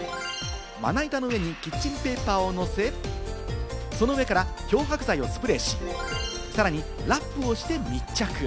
まな板の上にキッチンペーパーを乗せ、その上から漂白剤をスプレーし、さらにラップをして密着。